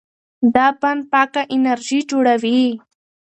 دا بند پاکه انرژي جوړوي.